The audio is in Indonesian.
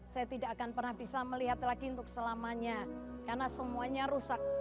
saya tidak akan pernah bisa melihat lagi untuk selamanya karena semuanya rusak